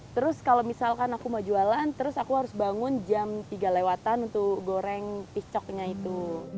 terus kalau misalkan aku mau jualan terus aku harus bangun jam tiga lewatan untuk goreng picoknya itu